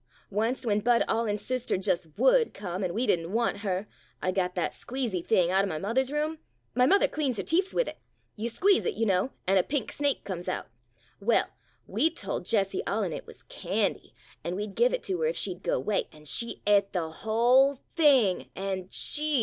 Onct when Bud Allin's sister just would come, an' we did n't want her, I got that squeezy thing out of my mo ther's room — my mother cleans her teefs with it — you squeeze it, you know, an' a pink snake comes out — well, we tol' Jessie Allin it wuz candy, an' we 'd give it to her if she 'd go 'way, an' she et the whole thing, an', gee